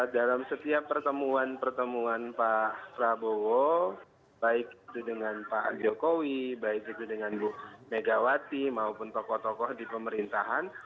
dalam setiap pertemuan pertemuan pak prabowo baik itu dengan pak jokowi baik itu dengan bu megawati maupun tokoh tokoh di pemerintahan